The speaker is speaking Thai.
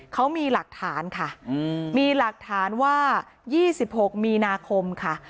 เขามีหลักฐานค่ะมีหลักฐานว่า๒๖มีนาคมค่ะ